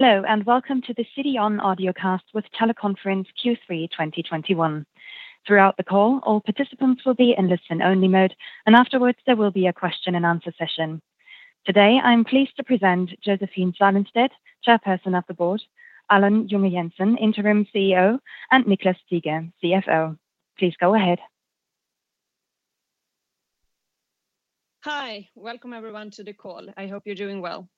Hello, and welcome to the CDON Audiocast with Teleconference Q3 2021. Throughout the call, all participants will be in listen-only mode. Afterwards there will be a question-and-answer session. Today I'm pleased to present Josephine Salenstedt, Chairperson of the Board, Allan Junge-Jensen, Interim CEO, and Niclas Szieger, CFO. Please go ahead. Hi. Welcome everyone to the call. I hope you're doing well.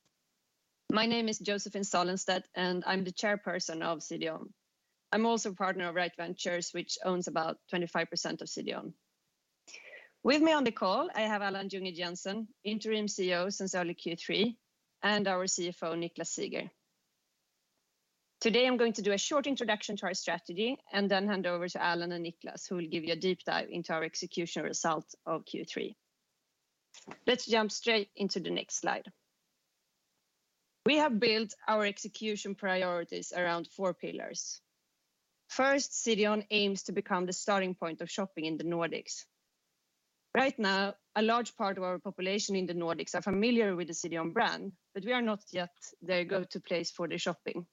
My name is Josephine Salenstedt and I'm the chairperson of CDON. I'm also a partner of Rite Ventures, which owns about 25% of CDON. With me on the call I have Allan Junge-Jensen, interim CEO since early Q3, and our CFO, Niclas Szieger. Today I'm going to do a short introduction to our strategy and then hand over to Allan and Niclas, who will give you a deep dive into our execution results of Q3. Let's jump straight into the next slide. We have built our execution priorities around four pillars. First, CDON aims to become the starting point of shopping in the Nordics. Right now, a large part of our population in the Nordics are familiar with the CDON brand, but we are not yet their go-to place for their shopping.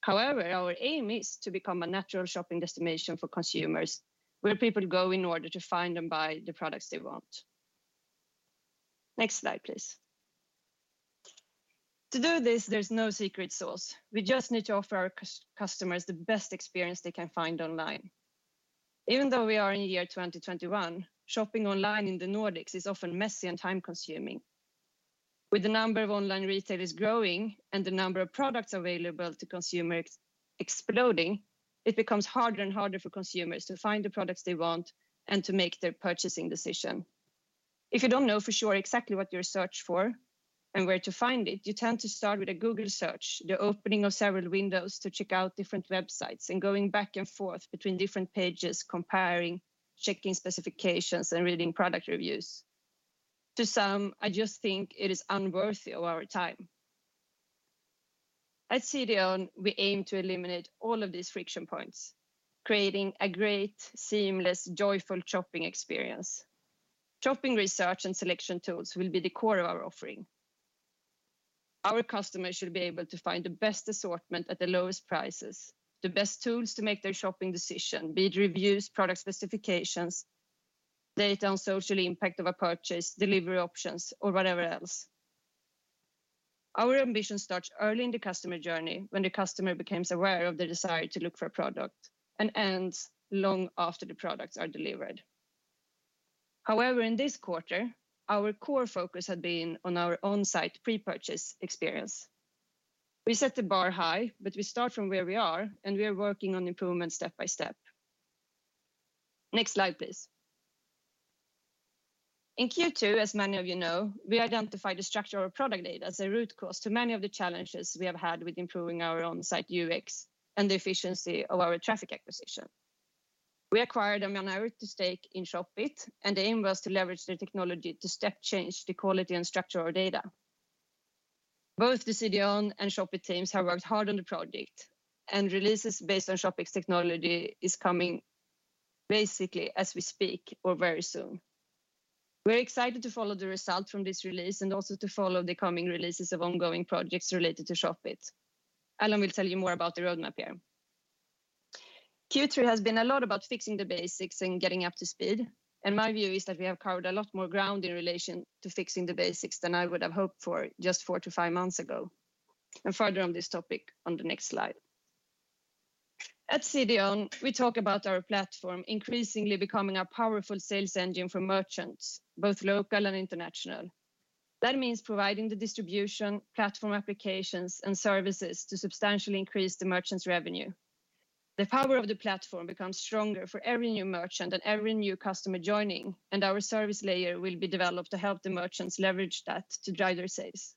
However, our aim is to become a natural shopping destination for consumers, where people go in order to find and buy the products they want. Next slide, please. To do this, there's no secret sauce. We just need to offer our customers the best experience they can find online. Even though we are in year 2021, shopping online in the Nordics is often messy and time-consuming. With the number of online retailers growing and the number of products available to consumers exploding, it becomes harder and harder for consumers to find the products they want and to make their purchasing decision. If you don't know for sure exactly what you search for and where to find it, you tend to start with a Google search, the opening of several windows to check out different websites, and going back and forth between different pages, comparing, checking specifications, and reading product reviews. To sum, I just think it is unworthy of our time. At CDON, we aim to eliminate all of these friction points, creating a great, seamless, joyful shopping experience. Shopping research and selection tools will be the core of our offering. Our customers should be able to find the best assortment at the lowest prices, the best tools to make their shopping decision, be it reviews, product specifications, data on social impact of a purchase, delivery options or whatever else. Our ambition starts early in the customer journey when the customer becomes aware of the desire to look for a product and ends long after the products are delivered. However, in this quarter, our core focus had been on our on-site pre-purchase experience. We set the bar high, but we start from where we are and we are working on improvement step by step. Next slide please. In Q2, as many of you know, we identified the structure of our product data as a root cause to many of the challenges we have had with improving our on-site UX and the efficiency of our traffic acquisition. We acquired a minority stake in Shopit and the aim was to leverage their technology to step change the quality and structure of our data. Both the CDON and Shopit teams have worked hard on the project and releases based on Shopit's technology is coming basically as we speak or very soon. We're excited to follow the result from this release and also to follow the coming releases of ongoing projects related to Shopit. Allan will tell you more about the roadmap here. Q3 has been a lot about fixing the basics and getting up to speed, and my view is that we have covered a lot more ground in relation to fixing the basics than I would have hoped for just four to five months ago, and further on this topic on the next slide. At CDON, we talk about our platform increasingly becoming a powerful sales engine for merchants, both local and international. That means providing the distribution, platform applications and services to substantially increase the merchant's revenue. The power of the platform becomes stronger for every new merchant and every new customer joining, and our service layer will be developed to help the merchants leverage that to drive their sales.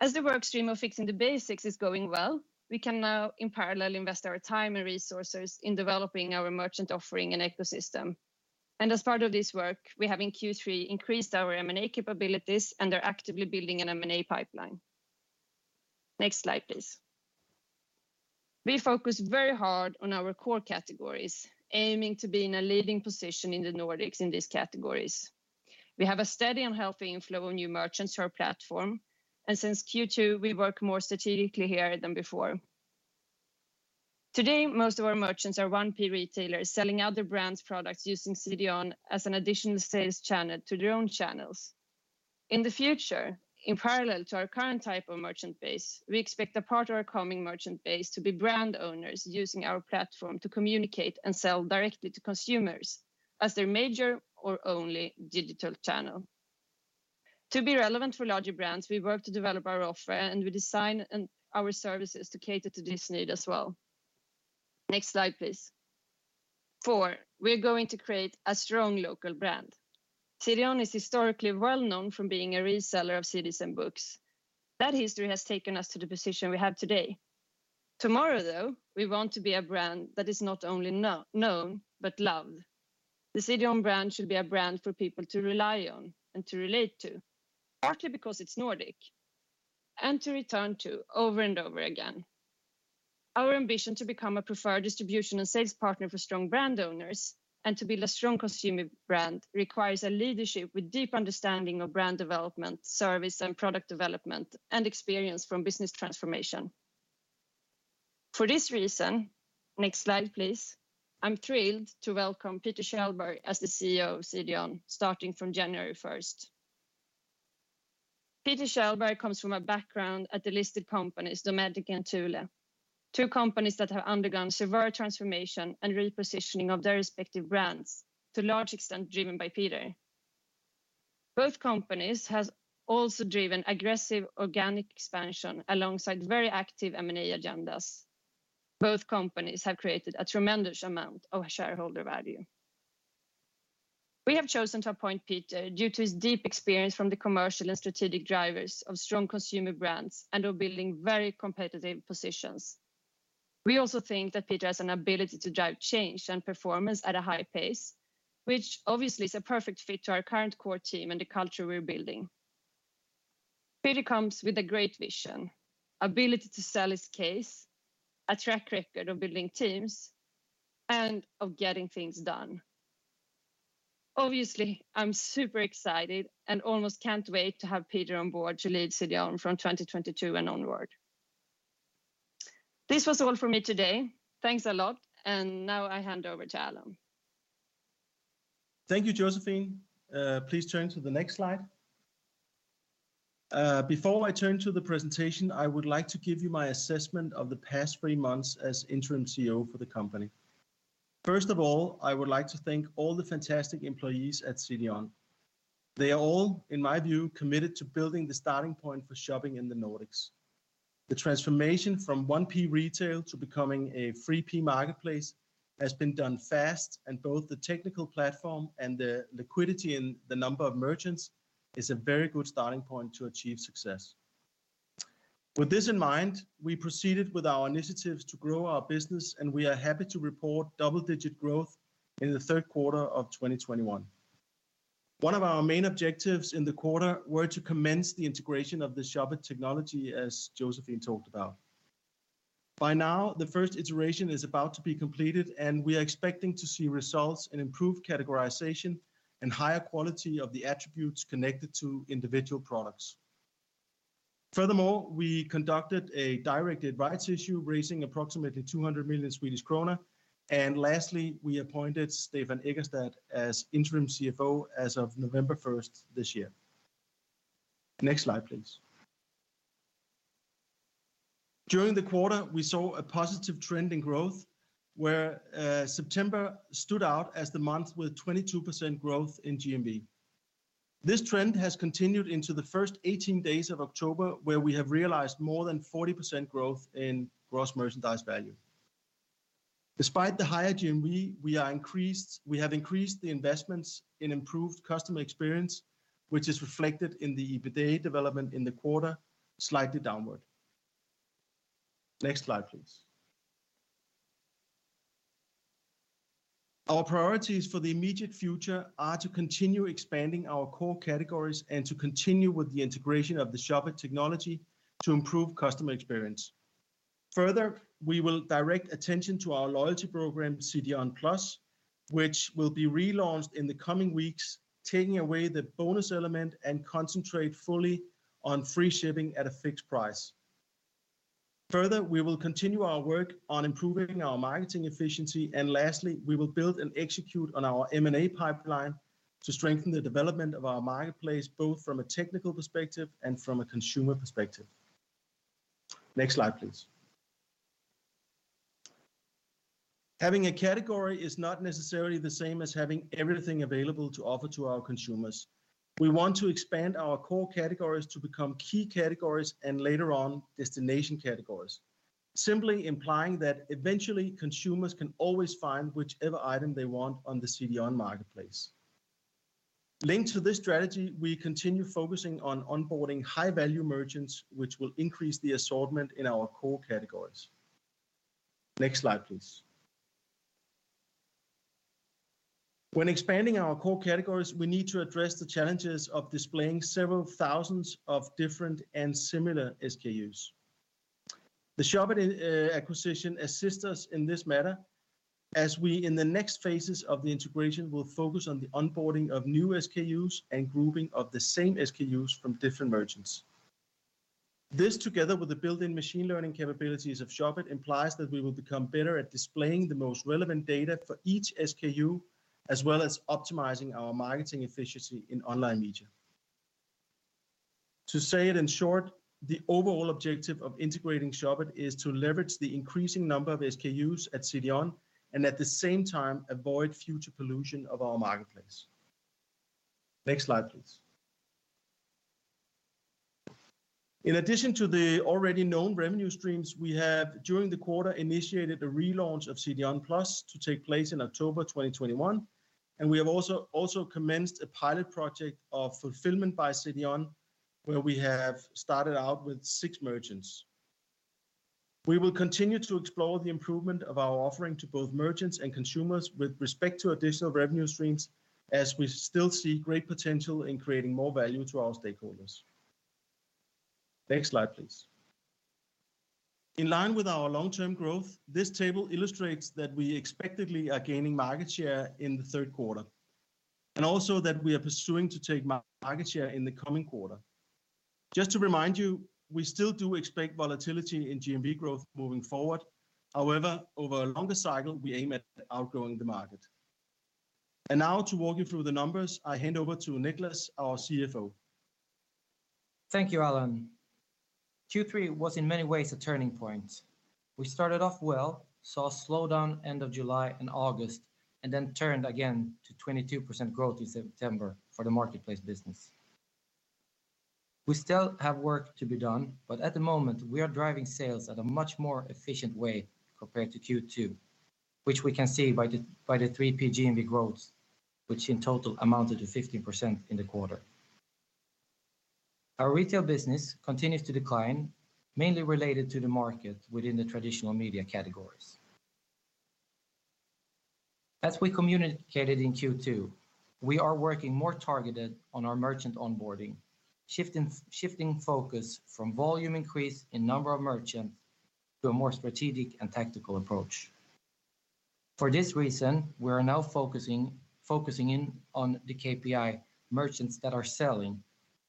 As the work stream of fixing the basics is going well, we can now in parallel invest our time and resources in developing our merchant offering and ecosystem. As part of this work, we have in Q3 increased our M&A capabilities and are actively building an M&A pipeline. Next slide please. We focus very hard on our core categories, aiming to be in a leading position in the Nordics in these categories. We have a steady and healthy inflow of new merchants to our platform, and since Q2 we work more strategically here than before. Today, most of our merchants are 1P retailers selling other brands' products using CDON as an additional sales channel to their own channels. In the future, in parallel to our current type of merchant base, we expect a part of our coming merchant base to be brand owners using our platform to communicate and sell directly to consumers as their major or only digital channel. To be relevant for larger brands, we work to develop our offer and we design our services to cater to this need as well. Next slide please. Four, we're going to create a strong local brand. CDON is historically well known for being a reseller of CDs and books. That history has taken us to the position we have today. Tomorrow though, we want to be a brand that is not only known but loved. The CDON brand should be a brand for people to rely on and to relate to, partly because it's Nordic, and to return to over and over again. Our ambition to become a preferred distribution and sales partner for strong brand owners and to build a strong consumer brand requires leadership with a deep understanding of brand development, service and product development, and experience from business transformation. For this reason, next slide, please. I'm thrilled to welcome Peter Kjellberg as the CEO of CDON, starting from January 1st. Peter Sjöberg comes from a background at the listed companies Dometic and Thule, two companies that have undergone severe transformation and repositioning of their respective brands, to a large extent driven by Peter. Both companies have also driven aggressive organic expansion alongside very active M&A agendas. Both companies have created a tremendous amount of shareholder value. We have chosen to appoint Peter due to his deep experience from the commercial and strategic drivers of strong consumer brands and of building very competitive positions. We also think that Peter has an ability to drive change and performance at a high pace, which obviously is a perfect fit to our current core team and the culture we're building. Peter comes with a great vision, ability to sell his case, a track record of building teams, and of getting things done. Obviously, I'm super excited and almost can't wait to have Peter on board to lead CDON from 2022 and onward. This was all from me today. Thanks a lot. Now I hand over to Allan. Thank you, Josephine. Please turn to the next slide. Before I turn to the presentation, I would like to give you my assessment of the past three months as interim CEO for the company. First of all, I would like to thank all the fantastic employees at CDON. They are all, in my view, committed to building the starting point for shopping in the Nordics. The transformation from 1P retail to becoming a 3P marketplace has been done fast, and both the technical platform and the liquidity in the number of merchants is a very good starting point to achieve success. With this in mind, we proceeded with our initiatives to grow our business, and we are happy to report double-digit growth in the third quarter of 2021. One of our main objectives in the quarter was to commence the integration of the Shopit technology, as Josephine talked about. By now, the first iteration is about to be completed. We are expecting to see results in improved categorization and higher quality of the attributes connected to individual products. Furthermore, we conducted a directed rights issue, raising approximately 200 million Swedish krona. Lastly, we appointed Stefan Egerstad as interim CFO as of November 1st this year. Next slide, please. During the quarter, we saw a positive trend in growth, where September stood out as the month with 22% growth in GMV. This trend has continued into the first 18 days of October, where we have realized more than 40% growth in gross merchandise value. Despite the higher GMV, we have increased the investments in improved customer experience, which is reflected in the EBITA development in the quarter, slightly downward. Next slide, please. Our priorities for the immediate future are to continue expanding our core categories and to continue with the integration of the Shopit technology to improve customer experience. Further, we will direct attention to our loyalty program, CDON+, which will be relaunched in the coming weeks, taking away the bonus element and concentrate fully on free shipping at a fixed price. Further, we will continue our work on improving our marketing efficiency. Lastly, we will build and execute on our M&A pipeline to strengthen the development of our marketplace, both from a technical perspective and from a consumer perspective. Next slide, please. Having a category is not necessarily the same as having everything available to offer to our consumers. We want to expand our core categories to become key categories, later on, destination categories, simply implying that eventually consumers can always find whichever item they want on the CDON Marketplace. Linked to this strategy, we continue focusing on onboarding high-value merchants, which will increase the assortment in our core categories. Next slide, please. When expanding our core categories, we need to address the challenges of displaying several thousands of different and similar SKUs. The Shopit acquisition assists us in this matter, as we, in the next phases of the integration, will focus on the onboarding of new SKUs and grouping of the same SKUs from different merchants. This, together with the built-in machine learning capabilities of Shopit, implies that we will become better at displaying the most relevant data for each SKU, as well as optimizing our marketing efficiency in online media. To say it in short, the overall objective of integrating Shopit is to leverage the increasing number of SKUs at CDON and, at the same time, avoid future pollution of our marketplace. Next slide, please. In addition to the already known revenue streams we have, during the quarter, initiated a relaunch of CDON+ to take place in October 2021. We have also commenced a pilot project of fulfillment by CDON, where we have started out with six merchants. We will continue to explore the improvement of our offering to both merchants and consumers with respect to additional revenue streams, as we still see great potential in creating more value to our stakeholders. Next slide, please. In line with our long-term growth, this table illustrates that we expectedly are gaining market share in the third quarter. We are also pursuing to take market share in the coming quarter. Just to remind you, we still do expect volatility in GMV growth moving forward. However, over a longer cycle, we aim at outgrowing the market. Now to walk you through the numbers, I hand over to Niclas, our CFO. Thank you, Allan. Q3 was in many ways a turning point. We started off well, saw a slowdown end of July and August, and then turned again to 22% growth in September for the marketplace business. We still have work to be done, but at the moment we are driving sales at a much more efficient way compared to Q2, which we can see by the 3PGMV growth, which in total amounted to 15% in the quarter. Our retail business continues to decline, mainly related to the market within the traditional media categories. As we communicated in Q2, we are working more targeted on our merchant onboarding, shifting focus from volume increase in number of merchants, to a more strategic and tactical approach. For this reason, we are now focusing in on the KPI merchants that are selling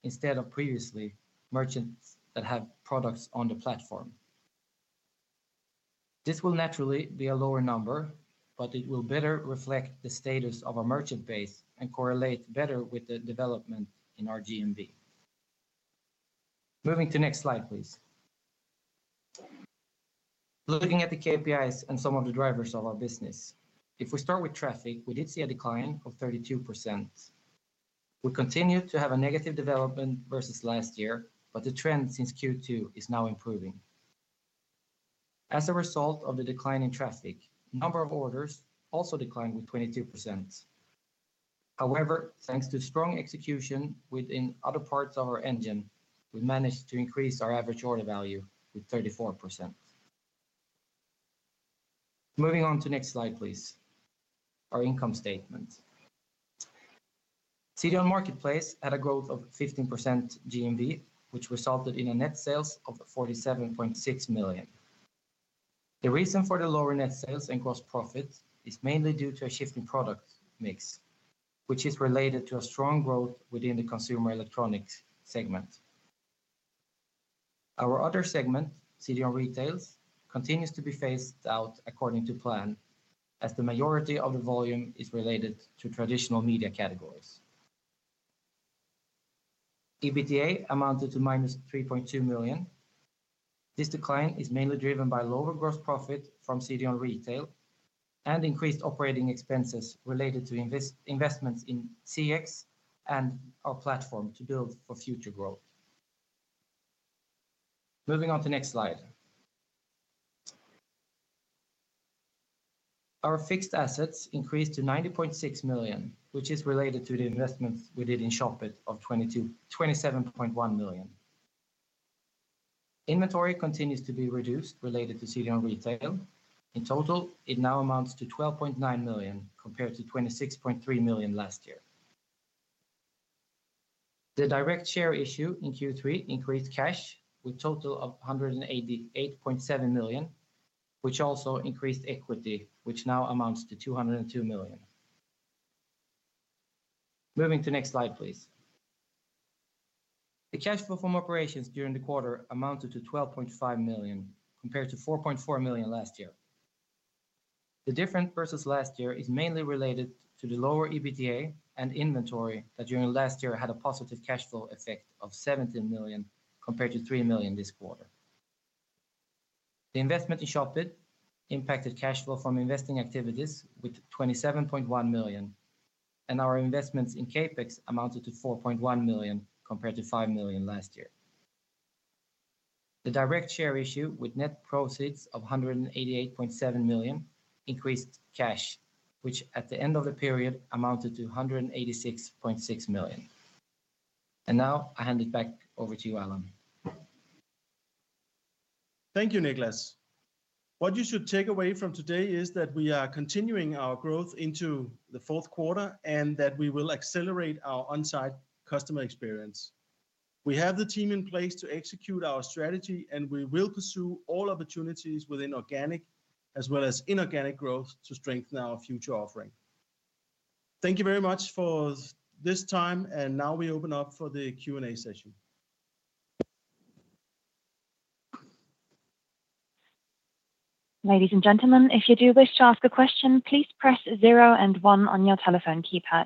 instead of previously merchants that have products on the platform. This will naturally be a lower number, but it will better reflect the status of our merchant base and correlate better with the development in our GMV. Moving to next slide, please. Looking at the KPIs and some of the drivers of our business. If we start with traffic, we did see a decline of 32%. We continue to have a negative development versus last year, but the trend since Q2 is now improving. As a result of the decline in traffic, number of orders also declined with 22%. However, thanks to strong execution within other parts of our engine, we managed to increase our average order value with 34%. Moving on to next slide, please. Our income statement. CDON Marketplace had a growth of 15% GMV, which resulted in a net sales of 47.6 million. The reason for the lower net sales and gross profit is mainly due to a shift in product mix, which is related to a strong growth within the consumer electronics segment. Our other segment, CDON Retail, continues to be phased out according to plan as the majority of the volume is related to traditional media categories. EBITDA amounted to -3.2 million. This decline is mainly driven by lower gross profit from CDON Retail and increased operating expenses related to investments in CX and our platform to build for future growth. Moving on to next slide. Our fixed assets increased to 90.6 million, which is related to the investments we did in Shopit of 27.1 million. Inventory continues to be reduced related to CDON Retail. In total, it now amounts to 12.9 million, compared to 26.3 million last year. The direct share issue in Q3 increased cash with total of 188.7 million, which also increased equity, which now amounts to 202 million. Moving to next slide, please. The cash flow from operations during the quarter amounted to 12.5 million, compared to 4.4 million last year. The difference versus last year is mainly related to the lower EBITDA and inventory that during last year had a positive cash flow effect of 17 million, compared to 3 million this quarter. The investment in ShopIt impacted cash flow from investing activities with 27.1 million. Our investments in CapEx amounted to 4.1 million compared to 5 million last year. The direct share issue with net proceeds of 188.7 million increased cash, which at the end of the period amounted to 186.6 million. Now I hand it back over to you, Allan. Thank you, Niclas. What you should take away from today is that we are continuing our growth into the fourth quarter and that we will accelerate our on-site customer experience. We have the team in place to execute our strategy, and we will pursue all opportunities within organic as well as inorganic growth to strengthen our future offering. Thank you very much for this time, and now we open up for the Q&A session. Ladies and gentlemen, if you do wish to ask a question, please press zero and one on your telephone keypad.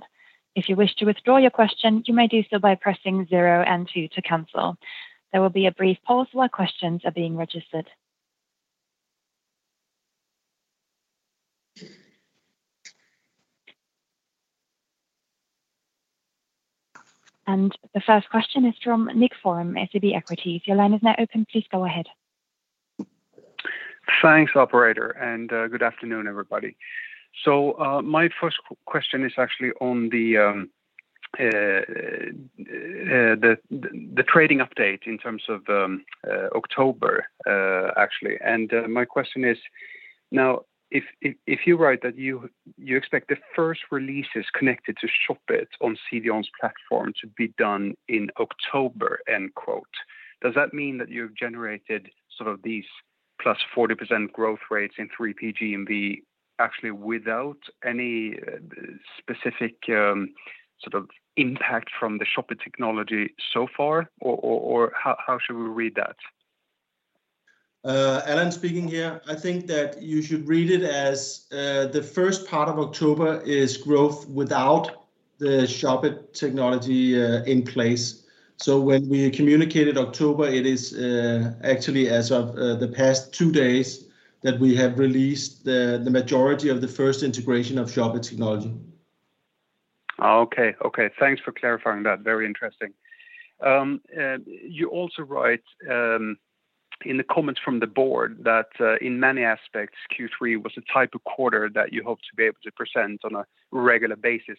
If you wish to withdraw your question, you may do so by pressing zero and two to cancel. There will be a brief pause while questions are being registered. The first question is from Nicklas Fhärm, SEB Equities. Your line is now open. Please go ahead. Thanks, operator, and good afternoon, everybody. My first question is actually on the trading update in terms of October, actually. My question is. Now, if you write that you expect the first releases connected to Shopit on CDON's platform to be done in October, does that mean that you've generated these +40% growth rates in 3PGMV actually without any specific impact from the Shopit technology so far? Or how should we read that? Allan speaking here. I think that you should read it as the first part of October is growth without the Shopit technology in place. When we communicated October, it is actually as of the past two days that we have released the majority of the first integration of Shopit technology. Okay. Thanks for clarifying that. Very interesting. You also write in the comments from the board that, "In many aspects, Q3 was the type of quarter that you hope to be able to present on a regular basis."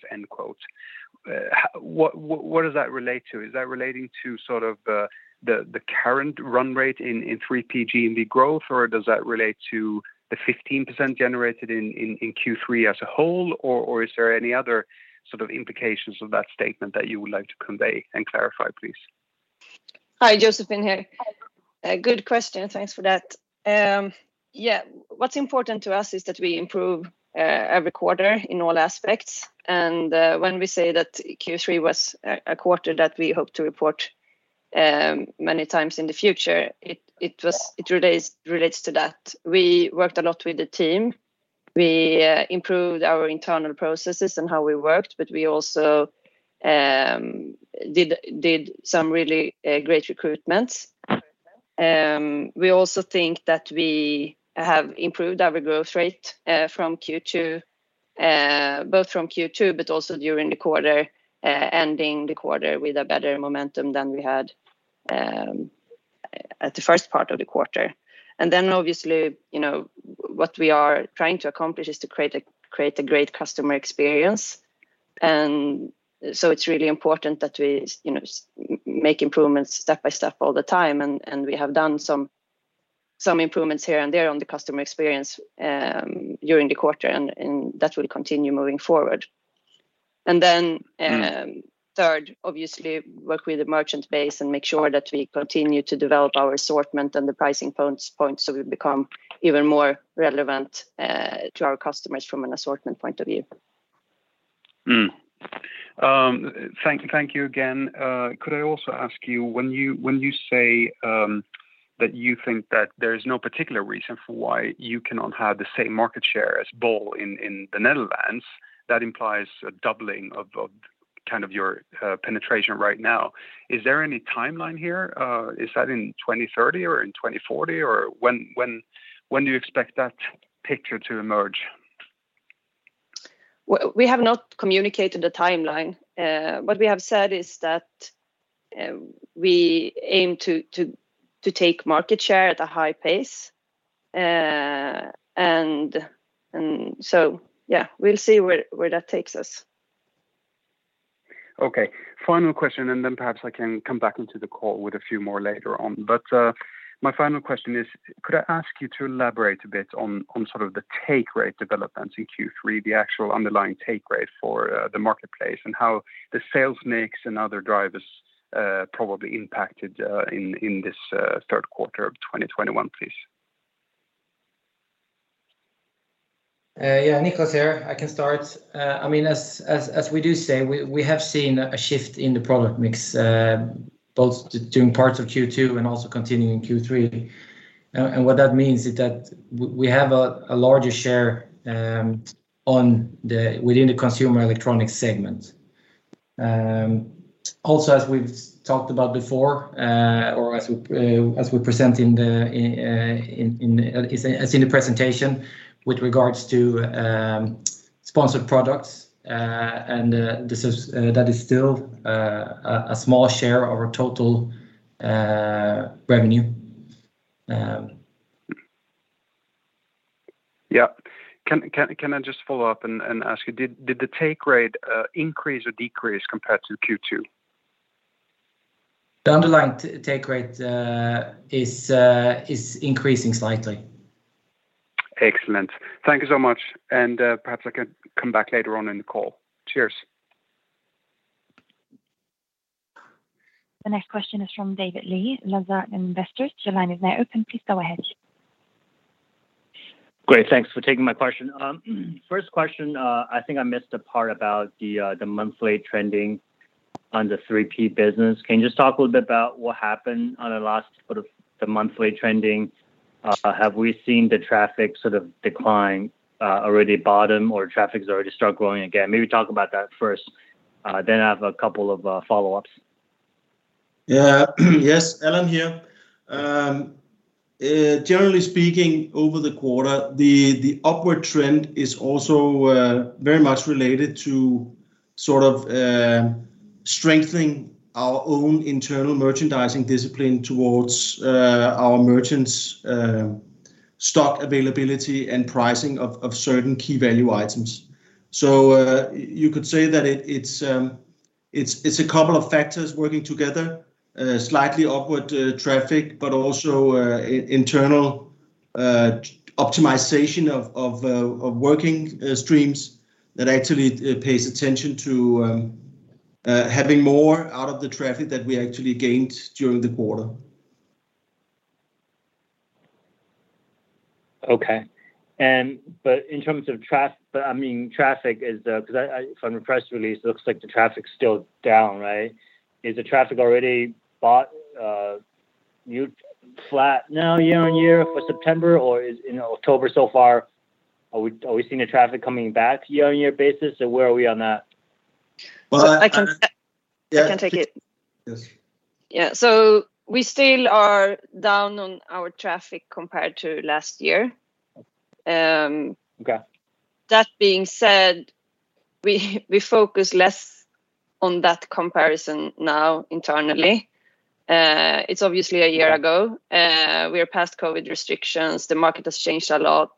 What does that relate to? Is that relating to the current run rate in 3PGMV growth, or does that relate to the 15% generated in Q3 as a whole, or is there any other implications of that statement that you would like to convey and clarify, please? Hi, Josephine here. Good question. Thanks for that. Yeah, what's important to us is that we improve every quarter in all aspects. When we say that Q3 was a quarter that we hope to report many times in the future, it relates to that. We worked a lot with the team. We improved our internal processes and how we worked. We also did some really great recruitments. We also think that we have improved our growth rate from Q2, both from Q2, but also during the quarter, ending the quarter with a better momentum than we had at the first part of the quarter. Obviously, what we are trying to accomplish is to create a great customer experience. It's really important that we make improvements step by step all the time, and we have done some improvements here and there on the customer experience during the quarter, and that will continue moving forward. Third, obviously work with the merchant base and make sure that we continue to develop our assortment and the pricing points so we become even more relevant to our customers from an assortment point of view. Thank you again. Could I also ask you, when you say that you think that there is no particular reason for why you cannot have the same market share as Bol.com in the Netherlands, that implies a doubling of your penetration right now. Is there any timeline here? Is that in 2030 or in 2040, or when do you expect that picture to emerge? We have not communicated a timeline. What we have said is that we aim to take market share at a high pace. We'll see where that takes us. Okay, final question, and then perhaps I can come back into the call with a few more later on. My final question is, could I ask you to elaborate a bit on the take rate developments in Q3, the actual underlying take rate for the marketplace, and how the sales mix and other drivers probably impacted in this third quarter of 2021, please? Yeah, Niclas here, I can start. As we do say, we have seen a shift in the product mix, both during parts of Q2 and also continuing in Q3. What that means is that we have a larger share within the consumer electronics segment. As we've talked about before, or as we present in the presentation with regards to sponsored products, that is still a small share of our total revenue. Yeah. Can I just follow up and ask you, did the take rate increase or decrease compared to Q2? The underlying take rate is increasing slightly. Excellent. Thank you so much. Perhaps I can come back later on in the call. Cheers. The next question is from David Li, Lizard Investors. Your line is now open. Please go ahead. Great. Thanks for taking my question. First question, I think I missed the part about the monthly trending on the 3P business. Can you just talk a little bit about what happened on the last monthly trending? Have we seen the traffic decline already bottom, or traffic has already start growing again? Maybe talk about that first. I have a couple of follow-ups. Yeah. Yes, Allan here. Generally speaking, over the quarter, the upward trend is also very much related to strengthening our own internal merchandising discipline towards our merchants' stock availability and pricing of certain key value items. You could say that it's It's a couple of factors working together, slightly upward traffic, but also internal optimization of working streams that actually pays attention to having more out of the traffic that we actually gained during the quarter. Okay. In terms of traffic, from the press release, it looks like the traffic's still down, right? Is the traffic already about flat now year-on-year for September? In October so far, are we seeing the traffic coming back year-on-year basis? Where are we on that? Well. I can take it. Yes. Yeah. We still are down on our traffic compared to last year. Okay. That being said, we focus less on that comparison now internally. It's obviously a year ago. We are past COVID restrictions. The market has changed a lot.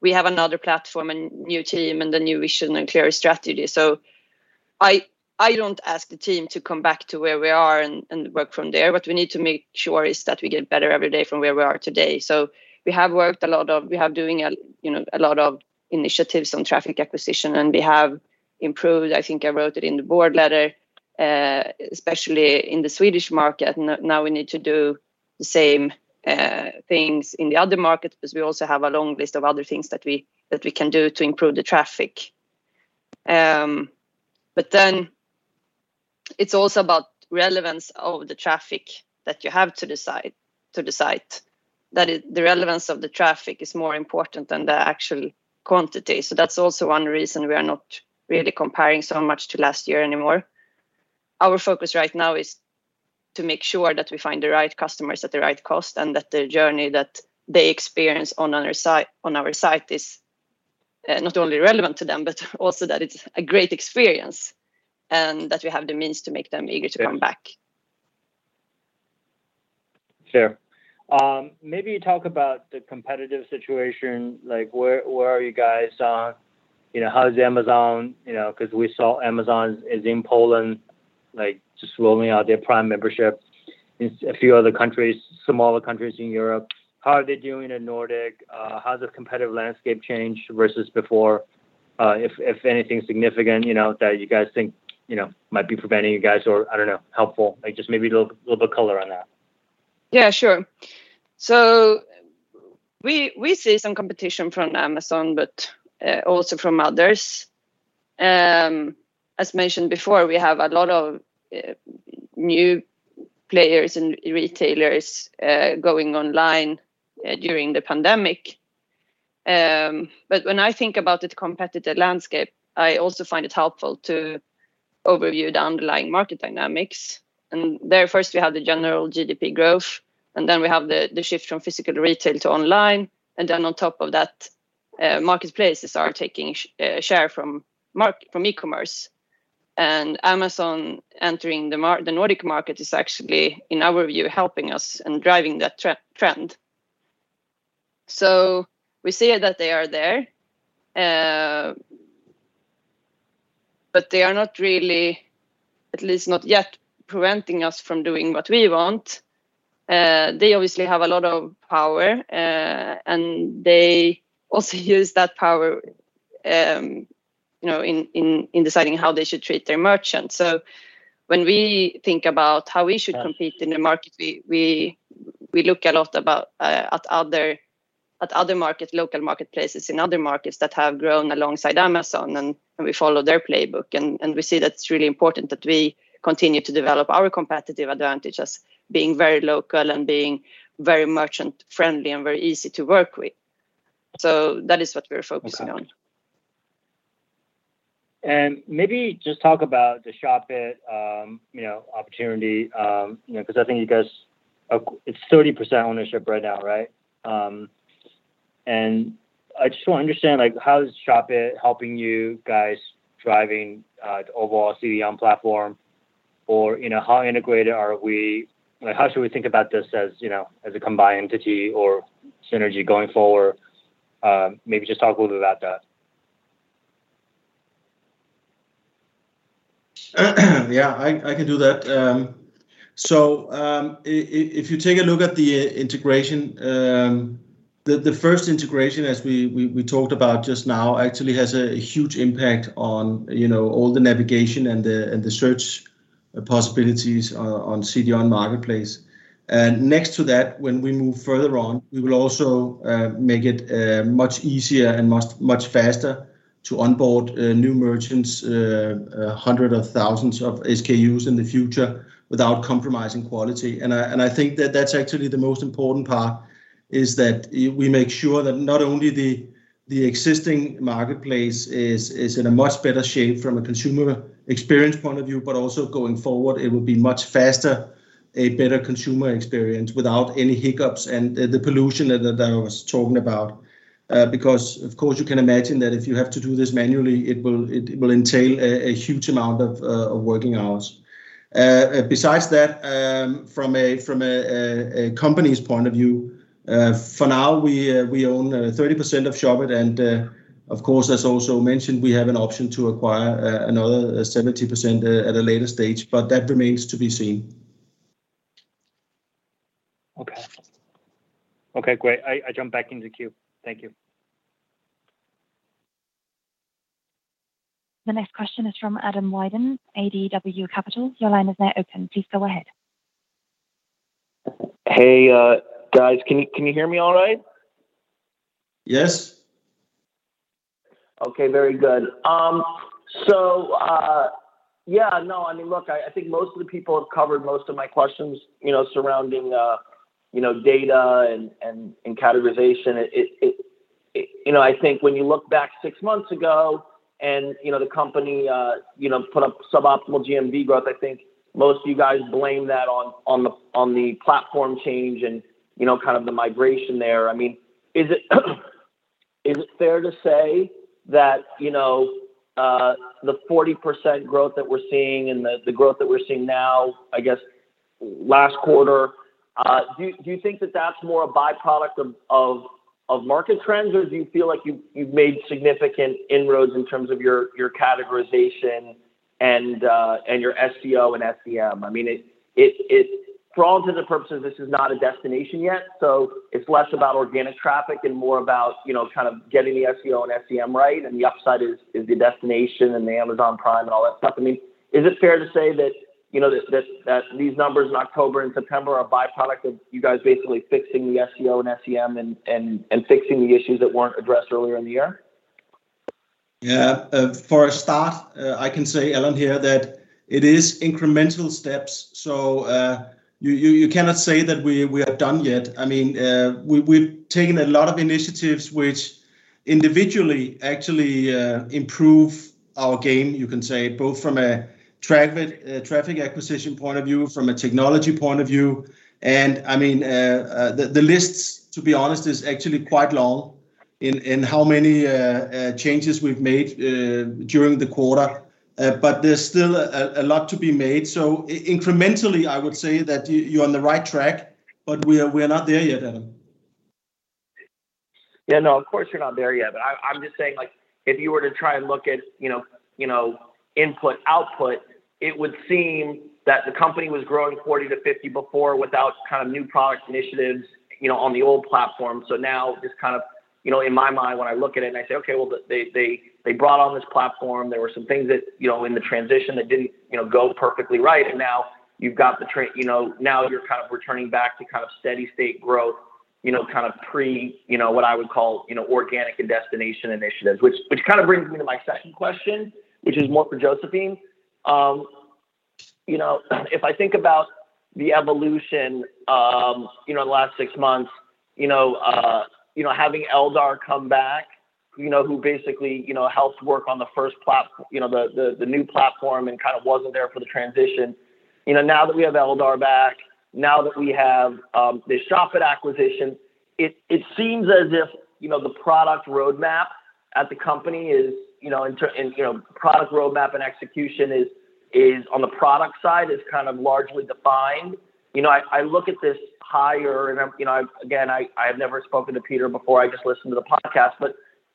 We have another platform, a new team, and a new vision, and clear strategy. I don't ask the team to come back to where we are and work from there. What we need to make sure is that we get better every day from where we are today. We have doing a lot of initiatives on traffic acquisition, and we have improved, I think I wrote it in the board letter, especially in the Swedish market. Now we need to do the same things in the other markets, because we also have a long list of other things that we can do to improve the traffic. It's also about relevance of the traffic that you have to the site. The relevance of the traffic is more important than the actual quantity. That's also one reason we are not really comparing so much to last year anymore. Our focus right now is to make sure that we find the right customers at the right cost, and that the journey that they experience on our site is not only relevant to them, but also that it's a great experience, and that we have the means to make them eager to come back. Sure. Maybe talk about the competitive situation, like where are you guys on, how is Amazon? Because we saw Amazon is in Poland, just rolling out their Prime membership in a few other countries, smaller countries in Europe. How are they doing in Nordic? How has the competitive landscape changed versus before? If anything significant that you guys think might be preventing you guys or, I don't know, helpful, just maybe a little bit color on that. Yeah, sure. We see some competition from Amazon, but also from others. As mentioned before, we have a lot of new players and retailers going online during the pandemic. When I think about the competitive landscape, I also find it helpful to overview the underlying market dynamics. There, first, we have the general GDP growth, and then we have the shift from physical retail to online. On top of that, marketplaces are taking a share from e-commerce. Amazon entering the Nordic market is actually, in our view, helping us in driving that trend. We see that they are there, but they are not really, at least not yet, preventing us from doing what we want. They obviously have a lot of power, and they also use that power in deciding how they should treat their merchants. When we think about how we should compete in the market, we look a lot at other markets, local marketplaces in other markets that have grown alongside Amazon, and we follow their playbook. We see that it's really important that we continue to develop our competitive advantage as being very local and being very merchant friendly and very easy to work with. That is what we're focusing on. Okay. Maybe just talk about the Shopit opportunity, because I think you guys, it's 30% ownership right now. I just want to understand, how is Shopit helping you guys driving the overall CDON platform? How should we think about this as a combined entity or synergy going forward? Maybe just talk a little bit about that. Yeah, I can do that. If you take a look at the integration, the first integration, as we talked about just now, actually has a huge impact on all the navigation and the search possibilities on CDON Marketplace. Next to that, when we move further on, we will also make it much easier and much faster to onboard new merchants, hundreds of thousands of SKUs in the future, without compromising quality. I think that that's actually the most important part, is that we make sure that not only the existing marketplace is in a much better shape from a consumer experience point of view, but also going forward, it will be much faster, a better consumer experience without any hiccups and the pollution that I was talking about. You can imagine that if you have to do this manually, it will entail a huge amount of working hours. From a company's point of view, for now, we own 30% of Shopit, and of course, as also mentioned, we have an option to acquire another 70% at a later stage, but that remains to be seen. Okay. Great. I jump back into queue. Thank you. The next question is from Adam Wyden, ADW Capital. Your line is now open. Please go ahead. Hey, guys. Can you hear me all right? Yes. Okay. Very good. I think most of the people have covered most of my questions surrounding data and categorization. I think when you look back six months ago, the company put up suboptimal GMV growth, I think most of you guys blame that on the platform change and the migration there. Is it fair to say that the 40% growth that we're seeing, the growth that we're seeing now, I guess last quarter, do you think that's more a byproduct of market trends, or do you feel like you've made significant inroads in terms of your categorization and your SEO and SEM? For all intents and purposes, this is not a destination yet, it's less about organic traffic and more about getting the SEO and SEM right, the upside is the destination and the Amazon Prime and all that stuff. Is it fair to say that these numbers in October and September are a byproduct of you guys basically fixing the SEO and SEM, and fixing the issues that weren't addressed earlier in the year? Yeah. For a start, I can say, Adam, here that it is incremental steps. You cannot say that we are done yet. We've taken a lot of initiatives which individually actually improve our game, you can say, both from a traffic acquisition point of view, from a technology point of view. The list, to be honest, is actually quite long in how many changes we've made during the quarter. There's still a lot to be made. Incrementally, I would say that you're on the right track, but we are not there yet, Adam. Yeah, no, of course you're not there yet. I'm just saying, if you were to try and look at input, output, it would seem that the company was growing 40%-50% before without new product initiatives on the old platform. Now in my mind, when I look at it and I say, okay, well, they brought on this platform. There were some things that in the transition that didn't go perfectly right. Now you're returning back to steady state growth, pre what I would call organic and destination initiatives. Which brings me to my second question, which is more for Josephine. If I think about the evolution in the last six months, having Eldar come back, who basically helped work on the new platform and wasn't there for the transition. Now that we have Eldar back, now that we have the Shopit acquisition, it seems as if the product roadmap at the company is, in terms of product roadmap and execution is on the product side is largely defined. I look at this higher, and again, I have never spoken to Peter before, I just listened to the podcast.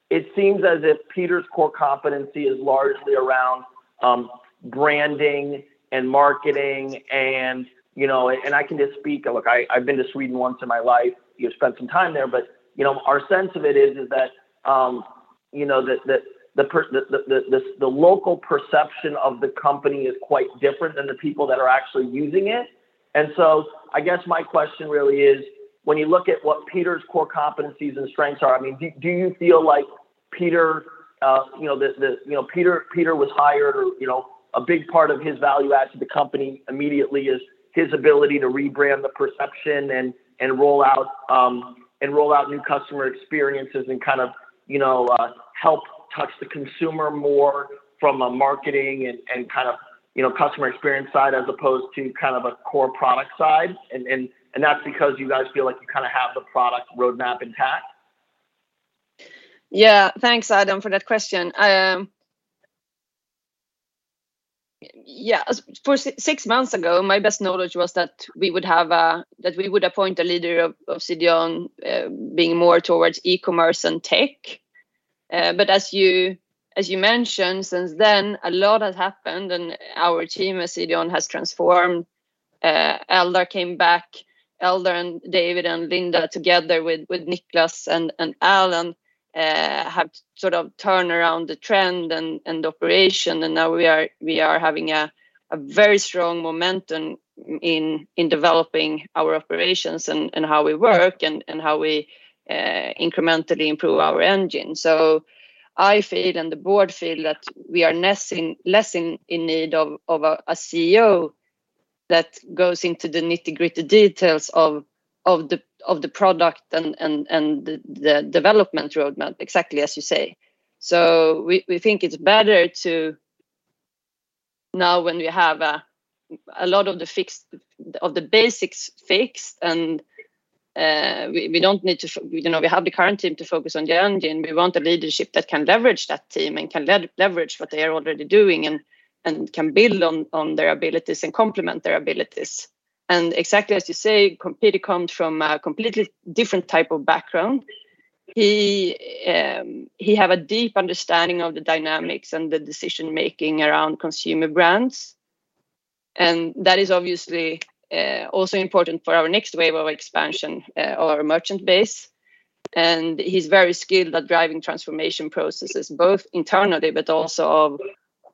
It seems as if Peter's core competency is largely around branding and marketing. I can just speak, look, I've been to Sweden once in my life, spent some time there. Our sense of it is that the local perception of the company is quite different than the people that are actually using it. I guess my question really is, when you look at what Peter's core competencies and strengths are, do you feel like Peter was hired, a big part of his value add to the company immediately is his ability to rebrand the perception and roll out new customer experiences and help touch the consumer more from a marketing and customer experience side, as opposed to a core product side? That's because you guys feel like you have the product roadmap intact? Yeah. Thanks, Adam, for that question. Six months ago, my best knowledge was that we would appoint a leader of CDON, being more towards e-commerce and tech. As you mentioned, since then, a lot has happened, and our team at CDON has transformed. Eldar came back. Eldar and David and Linda, together with Niclas and Allan, have sort of turned around the trend and the operation, and now we are having a very strong momentum in developing our operations and how we work and how we incrementally improve our engine. I feel, and the board feel, that we are less in need of a CEO that goes into the nitty-gritty details of the product and the development roadmap, exactly as you say. We think it's better to, now when we have a lot of the basics fixed, and we have the current team to focus on the engine, we want a leadership that can leverage that team and can leverage what they are already doing, and can build on their abilities and complement their abilities. Exactly as you say, Peter comes from a completely different type of background. He have a deep understanding of the dynamics and the decision-making around consumer brands. That is obviously also important for our next wave of expansion, our merchant base. He's very skilled at driving transformation processes, both internally, but also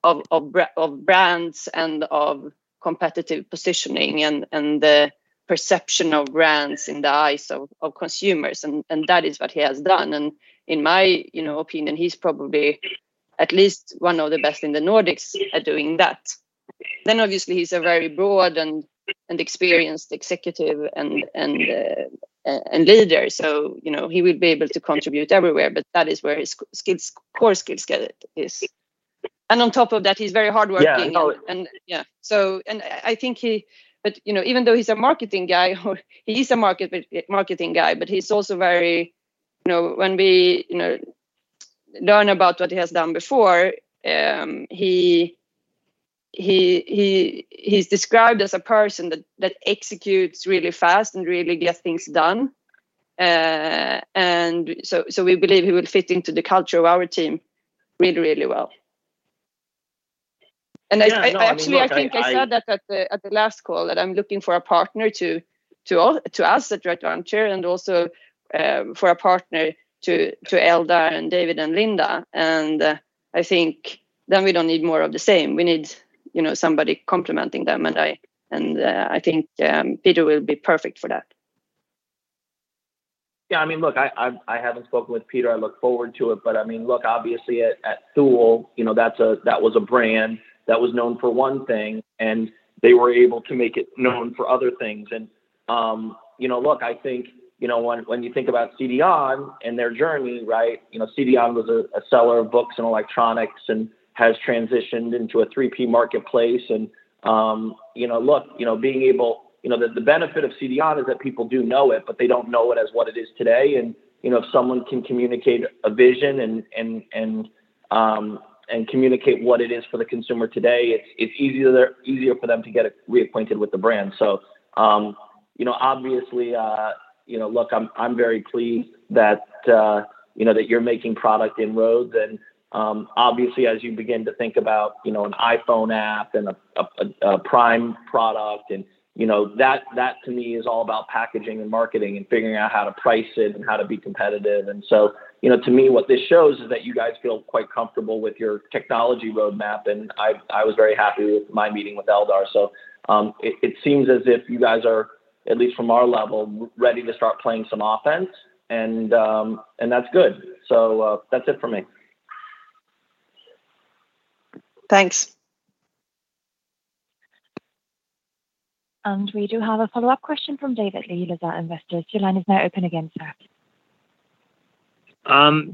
of brands and of competitive positioning, and the perception of brands in the eyes of consumers. That is what he has done. In my opinion, he's probably at least one of the best in the Nordics at doing that. Obviously, he's a very broad and experienced executive and leader, so he will be able to contribute everywhere, but that is where his core skills is. On top of that, he's very hardworking. Yeah. Even though he's a marketing guy, he is a marketing guy, but when we learn about what he has done before, he's described as a person that executes really fast and really gets things done. We believe he will fit into the culture of our team really, really well. Yeah, no, I mean, look. Actually, I think I said that at the last call, that I'm looking for a partner to us at Rite Ventures and also for a partner to Eldar and David and Linda, and I think then we don't need more of the same. We need somebody complementing them, and I think Peter will be perfect for that. Yeah, I mean, look, I haven't spoken with Peter. I look forward to it. I mean, look, obviously at Thule, that was a brand that was known for one thing, they were able to make it known for other things. Look, I think, when you think about CDON and their journey. CDON was a seller of books and electronics and has transitioned into a 3P marketplace. Look, the benefit of CDON is that people do know it, they don't know it as what it is today. If someone can communicate a vision and communicate what it is for the consumer today, it's easier for them to get reacquainted with the brand. Obviously, look, I'm very pleased that you're making product inroads, obviously, as you begin to think about an iPhone app and a Prime product. That to me is all about packaging and marketing and figuring out how to price it and how to be competitive. To me, what this shows is that you guys feel quite comfortable with your technology roadmap, and I was very happy with my meeting with Eldar. It seems as if you guys are, at least from our level, ready to start playing some offense, and that's good. That's it for me. Thanks. We do have a follow-up question from David Li, Lizard Investors. Your line is now open again, sir.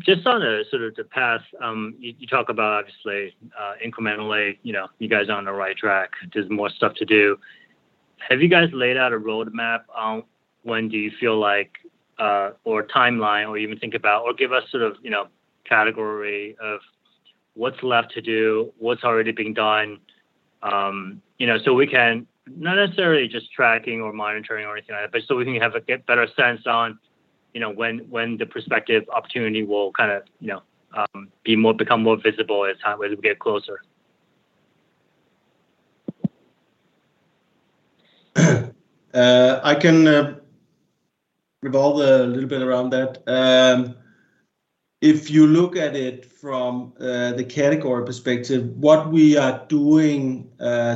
Just on the path, you talk about, obviously, incrementally, you guys are on the right track. There's more stuff to do. Have you guys laid out a roadmap on when do you feel like, or a timeline, or even think about, or give us sort of category of what's left to do, what's already been done? We can, not necessarily just tracking or monitoring or anything like that, but so we can have a better sense on when the prospective opportunity will kind of become more visible as we get closer. I can revolve a little bit around that. If you look at it from the category perspective, what we are doing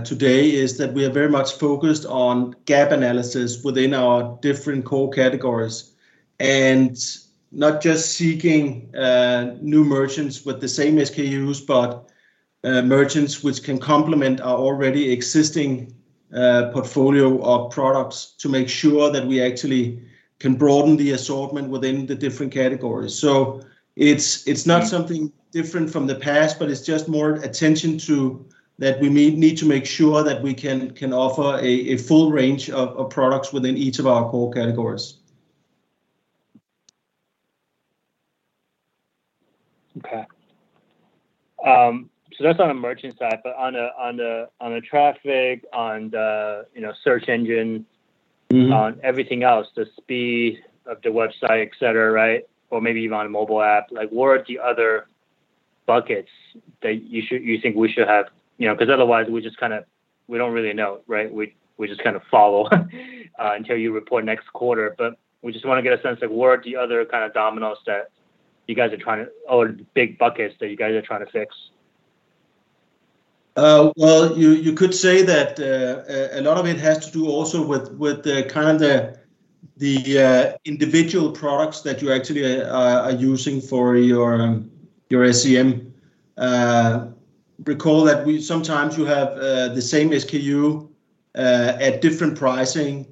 today is that we are very much focused on gap analysis within our different core categories. Not just seeking new merchants with the same SKUs, but merchants which can complement our already existing portfolio of products to make sure that we actually can broaden the assortment within the different categories. It's not something different from the past, but it's just more attention to that we need to make sure that we can offer a full range of products within each of our core categories. Okay. That's on the merchant side, but on the traffic, on the search engine. on everything else, the speed of the website, et cetera, or maybe even on a mobile app, where are the other buckets that you think we should have? Otherwise, we don't really know. We just kind of follow until you report next quarter. We just want to get a sense of where are the other kind of dominoes or big buckets that you guys are trying to fix. Well, you could say that a lot of it has to do also with the kind of the individual products that you actually are using for your SEM. Recall that sometimes you have the same SKU at different pricing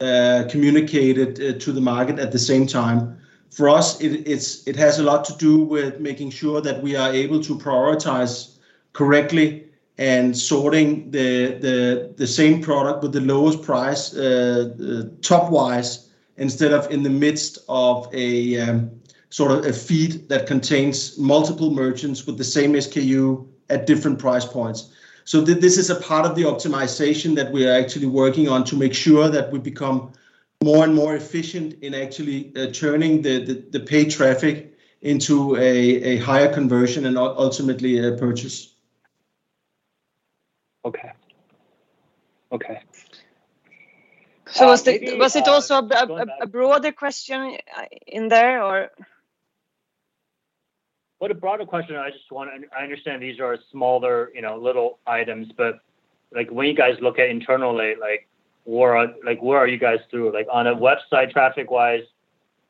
communicated to the market at the same time. For us, it has a lot to do with making sure that we are able to prioritize correctly and sorting the same product with the lowest price top-wise instead of in the midst of a sort of a feed that contains multiple merchants with the same SKU at different price points. This is a part of the optimization that we are actually working on to make sure that we become more and more efficient in actually turning the paid traffic into a higher conversion and ultimately a purchase. Okay. Was it also a broader question in there? Well, the broader question, I understand these are smaller, little items, but when you guys look at internally, where are you guys through? On a website traffic-wise,